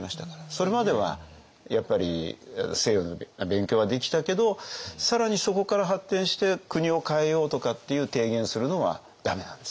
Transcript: それまではやっぱり西洋の勉強はできたけど更にそこから発展して国を変えようとかっていう提言するのは駄目なんですよ。